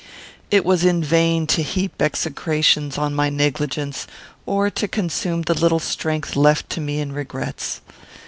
It was in vain to heap execrations on my negligence, or to consume the little strength left to me in regrets.